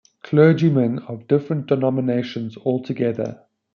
Clergymen of different denominations all together?